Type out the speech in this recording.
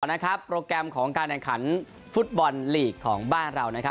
นะครับโปรแกรมของการแข่งขันฟุตบอลลีกของบ้านเรานะครับ